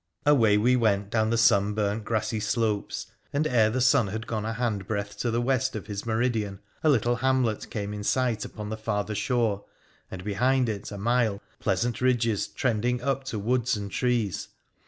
' Away we went down the sun burnt, grassy slopes, and ere the sun had gone a hand breadth to the west of his meridian a little hamlet came in sight upon the farther shore, and, behind it a mile, pleasant ridges trending up to woods and trees.